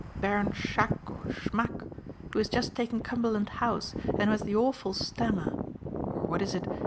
Baron Schack or Schmack who has just taken Cumberland House and who has the awful stammer or what is it?